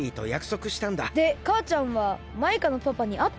でかあちゃんはマイカのパパにあったの？